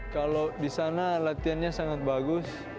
kalau di sana latihannya sangat bagus